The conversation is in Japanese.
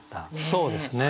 そうですね。